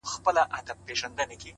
سوچه کاپیر وم چي راتلم تر میخانې پوري؛